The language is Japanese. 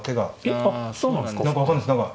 あっそうなんですか。